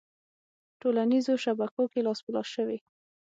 ه ټولنیزو شبکو کې لاس په لاس شوې